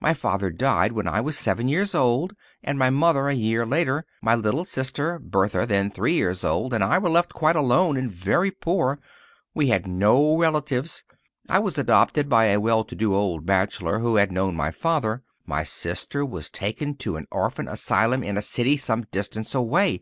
My father died when I was seven years old, and my mother a year later. My little sister, Bertha, then three years old, and I were left quite alone and very poor. We had no relatives. I was adopted by a well to do old bachelor, who had known my father. My sister was taken to an orphan asylum in a city some distance away.